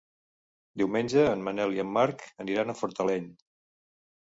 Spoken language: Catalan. Diumenge en Manel i en Marc aniran a Fortaleny.